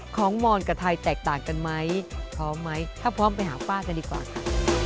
มอนกับไทยแตกต่างกันไหมพร้อมไหมถ้าพร้อมไปหาป้ากันดีกว่าค่ะ